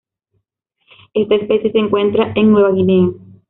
Esta especie se encuentra en Nueva Guinea.